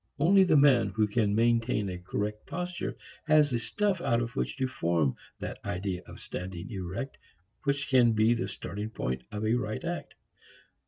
Only the man who can maintain a correct posture has the stuff out of which to form that idea of standing erect which can be the starting point of a right act.